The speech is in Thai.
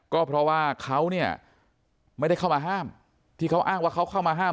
ก็เพราะว่าเขาเนี่ยไม่ได้เข้ามาห้ามที่เขาอ้างว่าเขาเข้ามาห้าม